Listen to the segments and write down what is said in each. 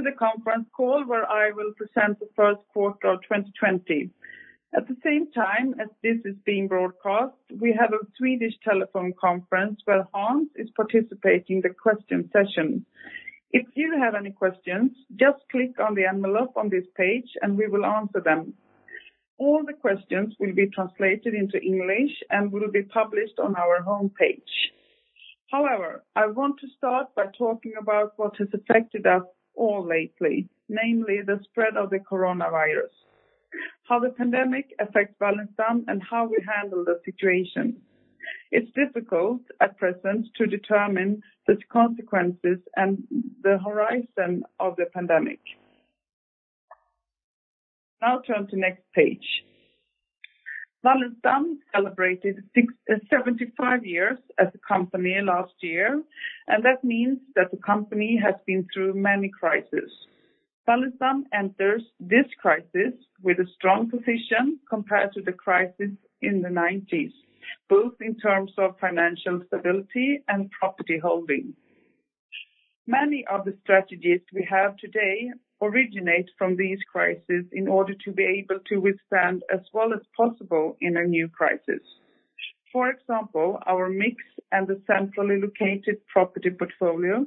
Welcome to the conference call where I will present the first quarter of 2020. At the same time as this is being broadcast, we have a Swedish telephone conference where Hans is participating the question session. If you have any questions, just click on the envelope on this page and we will answer them. All the questions will be translated into English and will be published on our homepage. I want to start by talking about what has affected us all lately, namely the spread of the coronavirus, how the pandemic affects Wallenstam, and how we handle the situation. It's difficult at present to determine the consequences and the horizon of the pandemic. Turn to next page. Wallenstam celebrated 75 years as a company last year, and that means that the company has been through many crises. Wallenstam enters this crisis with a strong position compared to the crisis in the '90s, both in terms of financial stability and property holding. Many of the strategies we have today originate from this crisis in order to be able to withstand as well as possible in a new crisis. For example, our mix and the centrally located property portfolio.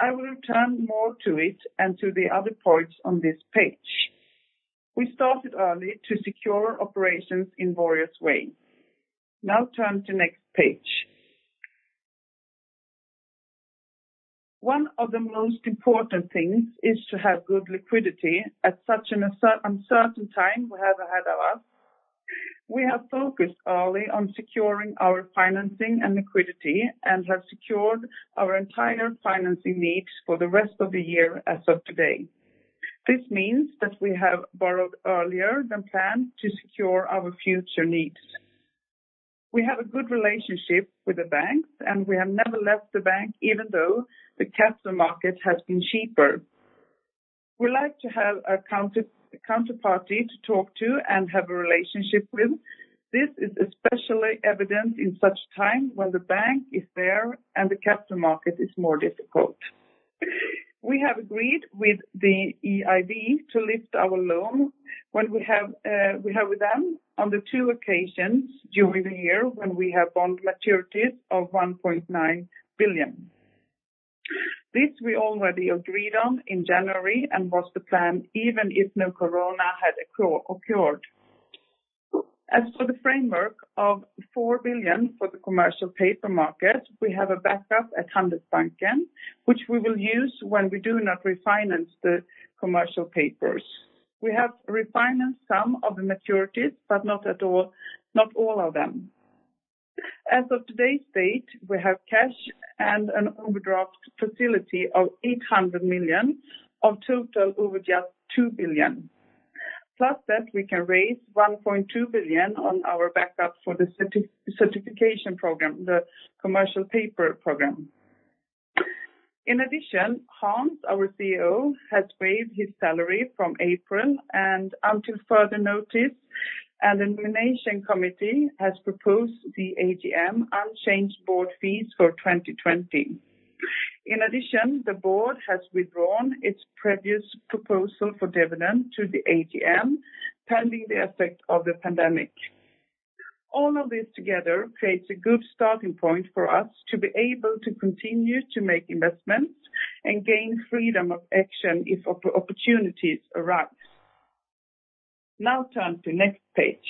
I will return more to it and to the other points on this page. We started early to secure operations in various ways. Turn to next page. One of the most important things is to have good liquidity at such an uncertain time we have ahead of us. We have focused early on securing our financing and liquidity and have secured our entire financing needs for the rest of the year as of today. This means that we have borrowed earlier than planned to secure our future needs. We have a good relationship with the banks, and we have never left the bank even though the capital market has been cheaper. We like to have a counterparty to talk to and have a relationship with. This is especially evident in such time when the bank is there and the capital market is more difficult. We have agreed with the EIB to lift our loan we have with them on the two occasions during the year when we have bond maturities of 1.9 billion. This we already agreed on in January and was the plan even if no Corona had occurred. As for the framework of 4 billion for the commercial paper market, we have a backup at Handelsbanken, which we will use when we do not refinance the commercial papers. We have refinanced some of the maturities, but not all of them. As of today's date, we have cash and an overdraft facility of 800 million of total overdraft 2 billion, plus that we can raise 1.2 billion on our backup for the certification program, the commercial paper program. In addition, Hans, our CEO, has waived his salary from April and until further notice, and the nomination committee has proposed the AGM unchanged board fees for 2020. In addition, the board has withdrawn its previous proposal for dividend to the AGM, pending the effect of the pandemic. All of this together creates a good starting point for us to be able to continue to make investments and gain freedom of action if opportunities arise. Now turn to next page.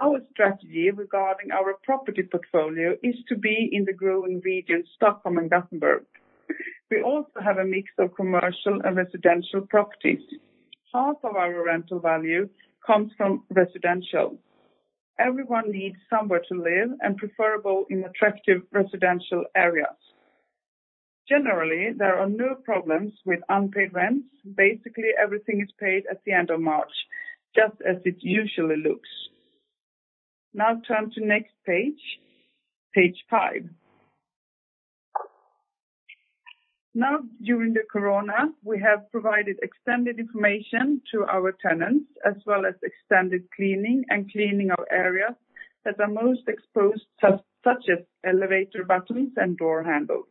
Our strategy regarding our property portfolio is to be in the growing regions Stockholm and Gothenburg. We also have a mix of commercial and residential properties. Half of our rental value comes from residential. Everyone needs somewhere to live and preferable in attractive residential areas. Generally, there are no problems with unpaid rents. Basically, everything is paid at the end of March, just as it usually looks. Now turn to next page five. Now, during the corona, we have provided extended information to our tenants as well as extended cleaning and cleaning of areas that are most exposed, such as elevator buttons and door handles.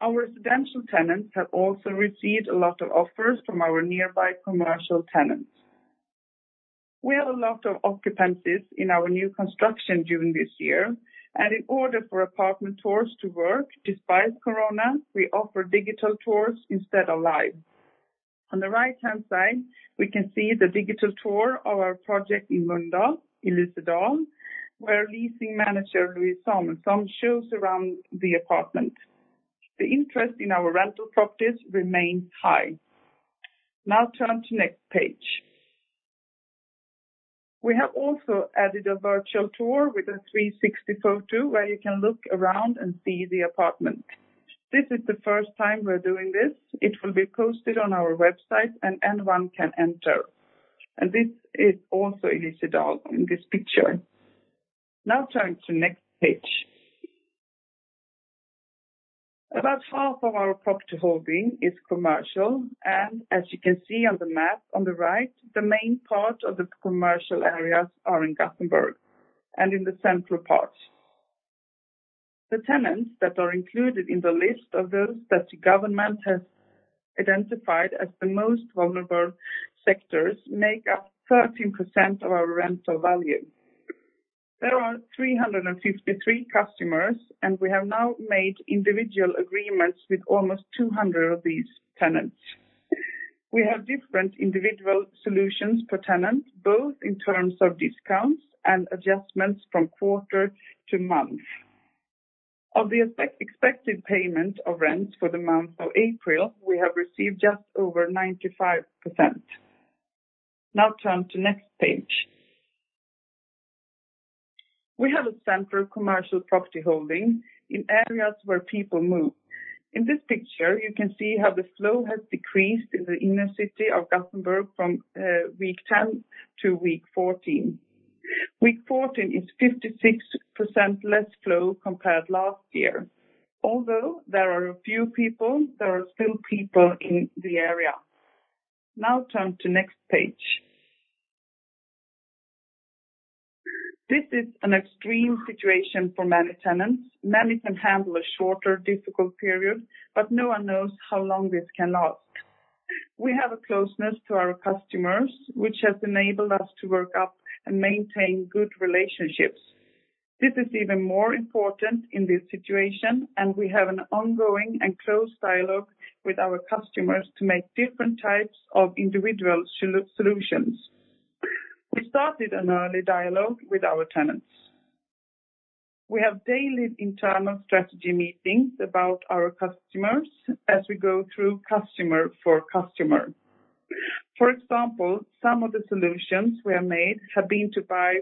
Our residential tenants have also received a lot of offers from our nearby commercial tenants. We have a lot of occupancies in our new construction during this year, and in order for apartment tours to work despite corona, we offer digital tours instead of live. On the right-hand side, we can see the digital tour of our project in Mölndal, Elisedal, where Leasing Manager Louise Somasong shows around the apartment. The interest in our rental properties remains high. Turn to next page. We have also added a virtual tour with a 360 photo where you can look around and see the apartment. This is the first time we're doing this. It will be posted on our website and anyone can enter. This is also Elisedal in this picture. Turn to next page. About half of our property holding is commercial, and as you can see on the map on the right, the main part of the commercial areas are in Gothenburg. In the central parts. The tenants that are included in the list of those that the government has identified as the most vulnerable sectors make up 13% of our rental value. There are 353 customers, and we have now made individual agreements with almost 200 of these tenants. We have different individual solutions per tenant, both in terms of discounts and adjustments from quarter to month. Of the expected payment of rent for the month of April, we have received just over 95%. Turn to next page. We have a central commercial property holding in areas where people move. In this picture, you can see how the flow has decreased in the inner city of Gothenburg from week 10 to week 14. Week 14 is 56% less flow compared last year. There are a few people, there are still people in the area. Turn to next page. This is an extreme situation for many tenants. Many can handle a shorter, difficult period, but no one knows how long this can last. We have a closeness to our customers, which has enabled us to work up and maintain good relationships. This is even more important in this situation. We have an ongoing and close dialogue with our customers to make different types of individual solutions. We started an early dialogue with our tenants. We have daily internal strategy meetings about our customers as we go through customer for customer. For example, some of the solutions we have made have been to buy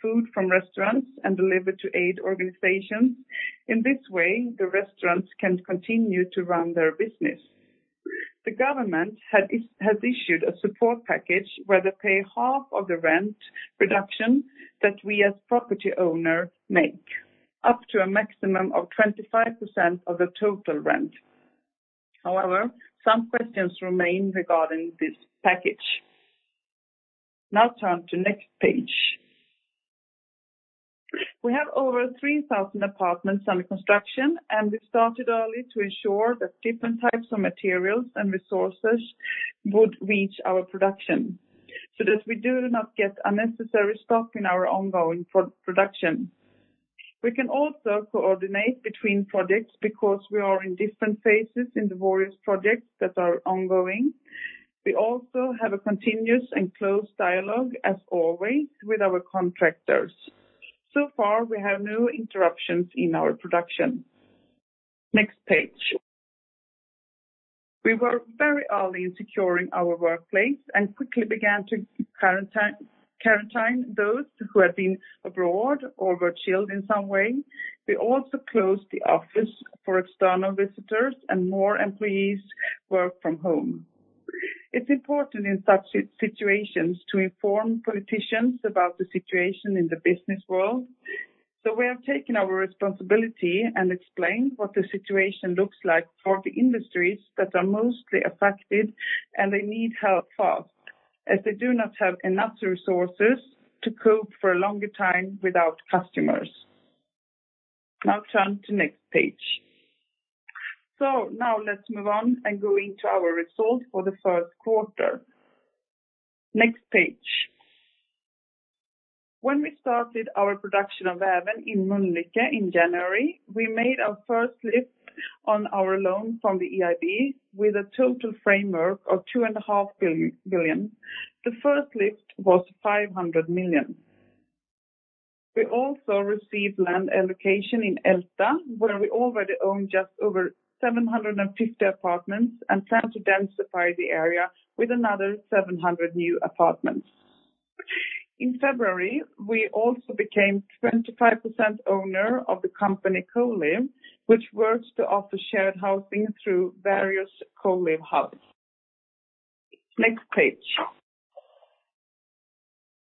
food from restaurants and deliver to aid organizations. In this way, the restaurants can continue to run their business. The government has issued a support package where they pay half of the rent reduction that we as property owner make, up to a maximum of 25% of the total rent. However, some questions remain regarding this package. Now turn to next page. We have over 3,000 apartments under construction, and we started early to ensure that different types of materials and resources would reach our production, so that we do not get unnecessary stock in our ongoing production. We can also coordinate between projects because we are in different phases in the various projects that are ongoing. We also have a continuous and close dialogue, as always, with our contractors. So far, we have no interruptions in our production. Next page. We were very early in securing our workplace and quickly began to quarantine those who had been abroad or were chilled in some way. We also closed the office for external visitors, and more employees work from home. It's important in such situations to inform politicians about the situation in the business world. We have taken our responsibility and explained what the situation looks like for the industries that are mostly affected, and they need help fast, as they do not have enough resources to cope for a longer time without customers. Now turn to next page. Now let's move on and go into our results for the first quarter. Next page. When we started our production of Väven in Mölnlycke in January, we made our first lift on our loan from the EIB with a total framework of 2.5 billion. The first lift was 500 million. We also received land allocation in Elsta, where we already own just over 750 apartments and plan to densify the area with another 700 new apartments. In February, we also became 25% owner of the company Colive, which works to offer shared housing through various Colive hubs. Next page.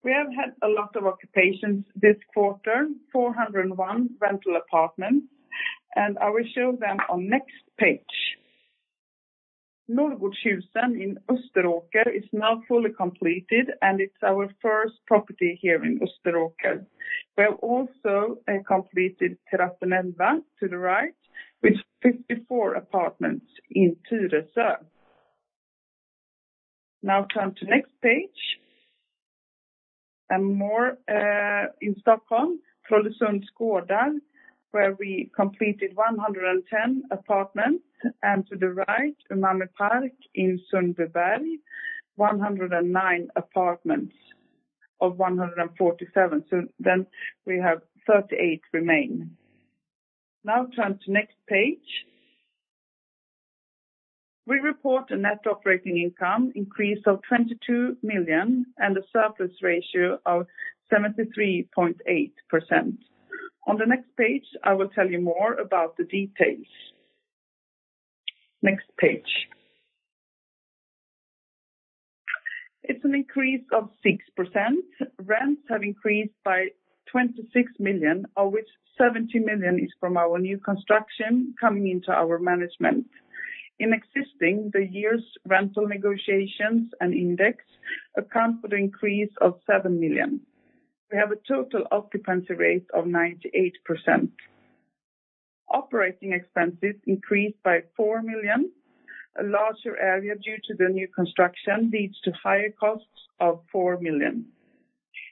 We have had a lot of occupations this quarter, 401 rental apartments, and I will show them on next page. Norrgårdshusen in Österåker is now fully completed, and it is our first property here in Österåker. We have also completed Terrassen Elva to the right with 54 apartments in Tyresö. Now turn to next page. More in Stockholm, Trålsundsgatan, where we completed 110 apartments, and to the right, Umami Park in Sundbyberg, 109 apartments of 147. We have 38 remain. Now turn to next page. We report a net operating income increase of 22 million and a surplus ratio of 73.8%. On the next page, I will tell you more about the details. Next page. It is an increase of 6%. Rents have increased by 26 million, of which 17 million is from our new construction coming into our management. In existing, the year's rental negotiations and index account for the increase of 7 million. We have a total occupancy rate of 98%. Operating expenses increased by 4 million. A larger area due to the new construction leads to higher costs of 4 million.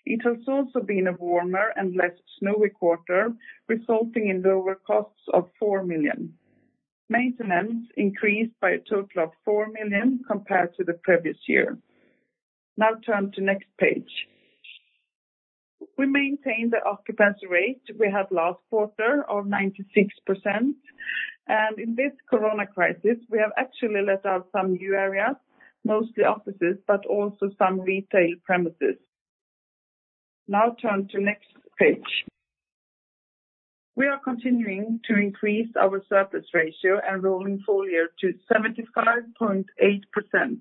It has also been a warmer and less snowy quarter, resulting in lower costs of 4 million. Maintenance increased by a total of 4 million compared to the previous year. Turn to next page. We maintain the occupancy rate we had last quarter of 96%, and in this corona crisis, we have actually let out some new areas, mostly offices, but also some retail premises. Turn to next page. We are continuing to increase our surplus ratio and rolling full year to 75.8%.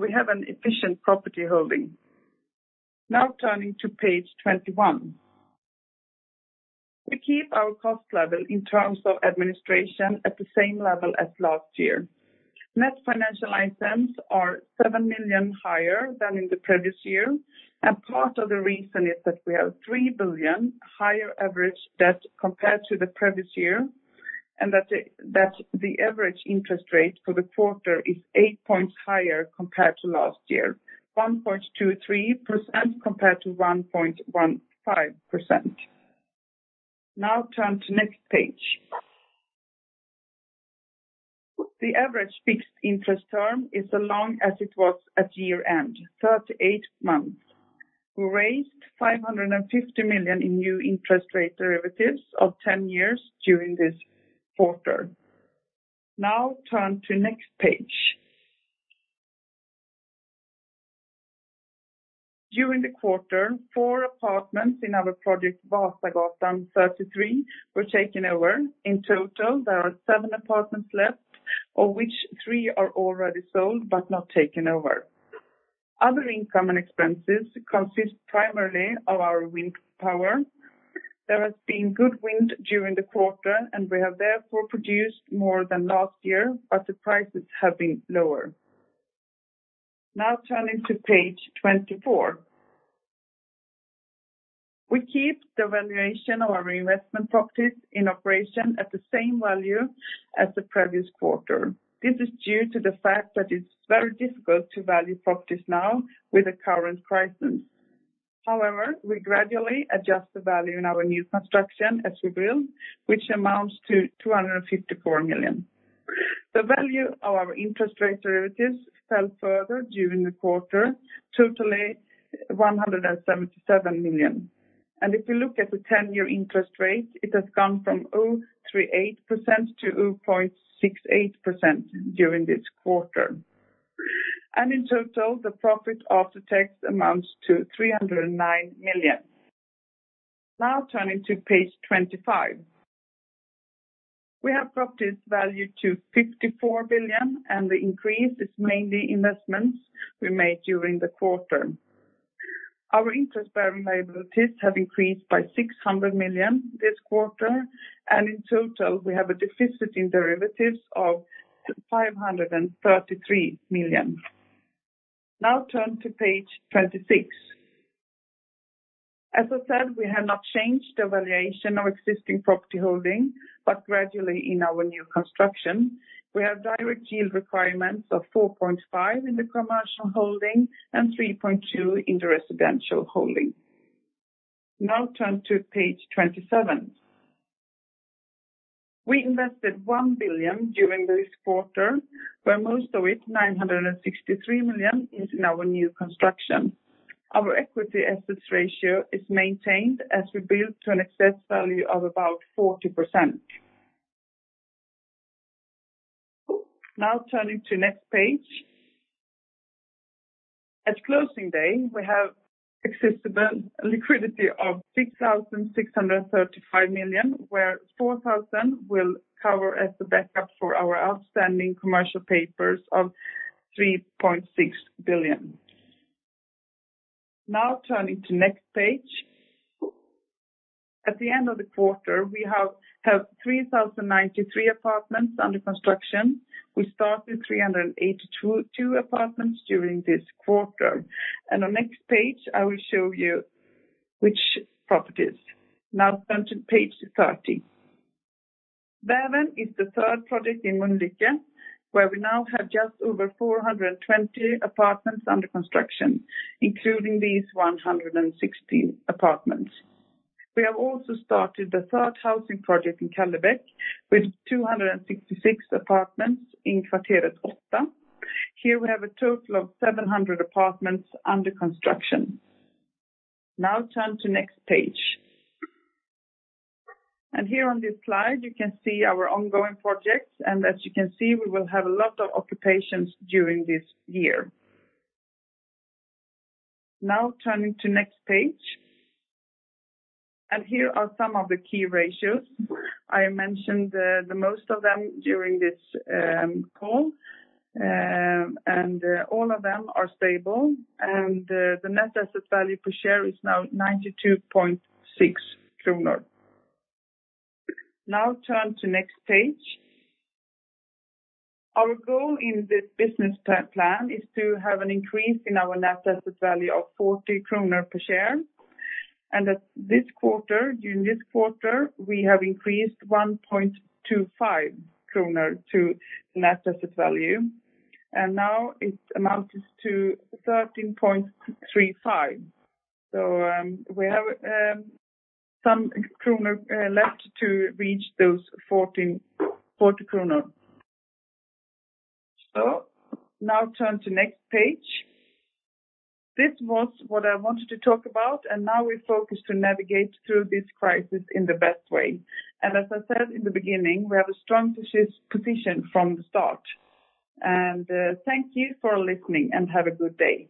We have an efficient property holding. Turning to page 21. We keep our cost level in terms of administration at the same level as last year. Net financial items are 7 million higher than in the previous year. Part of the reason is that we have 3 billion higher average debt compared to the previous year, and that the average interest rate for the quarter is eight points higher compared to last year, 1.23% compared to 1.15%. Turn to next page. The average fixed interest term is as long as it was at year-end, 38 months. We raised 550 million in new interest rate derivatives of 10 years during this quarter. Turn to next page. During the quarter, four apartments in our project Vasagatan 33 were taken over. In total, there are seven apartments left, of which three are already sold but not taken over. Other income and expenses consist primarily of our wind power. We have therefore produced more than last year, but the prices have been lower. Now turning to page 24. We keep the valuation of our investment properties in operation at the same value as the previous quarter. This is due to the fact that it's very difficult to value properties now with the current crisis. However, we gradually adjust the value in our new construction as we build, which amounts to 254 million. The value of our interest rate derivatives fell further during the quarter, totally 177 million. If you look at the 10-year interest rate, it has gone from 0.38%-0.68% during this quarter. In total, the profit after tax amounts to 309 million. Now turning to page 25. We have properties valued to 54 billion, and the increase is mainly investments we made during the quarter. Our interest-bearing liabilities have increased by 600 million this quarter, and in total, we have a deficit in derivatives of 533 million. Now turn to page 26. As I said, we have not changed the valuation of existing property holding, but gradually in our new construction. We have direct yield requirements of 4.5% in the commercial holding and 3.2% in the residential holding. Now turn to page 27. We invested 1 billion during this quarter, where most of it, 963 million, is in our new construction. Our equity assets ratio is maintained as we build to an excess value of about 40%. Now turning to next page. At closing day, we have accessible liquidity of 6,635 million, where 4,000 million will cover as the backup for our outstanding commercial papers of 3.6 billion. Now turning to next page. At the end of the quarter, we have 3,093 apartments under construction. We started 382 apartments during this quarter. On next page, I will show you which properties. Now turn to page 30. Väven is the third project in Mölnlycke, where we now have just over 420 apartments under construction, including these 116 apartments. We have also started the third housing project in Kallebäck with 266 apartments in Kvarteret 8. Here we have a total of 700 apartments under construction. Now turn to next page. Here on this slide, you can see our ongoing projects. As you can see, we will have a lot of occupations during this year. Now turning to next page. Here are some of the key ratios. I mentioned the most of them during this call, and all of them are stable. The net asset value per share is now SEK 92.6. Turn to next page. Our goal in this business plan is to have an increase in our net asset value of 40 kronor per share. During this quarter, we have increased 1.25 kronor to net asset value. Now it amounts to 13.35. We have some SEK left to reach those 40 kronor. Now turn to next page. This was what I wanted to talk about, and now we focus to navigate through this crisis in the best way. As I said in the beginning, we have a strong position from the start. Thank you for listening, and have a good day.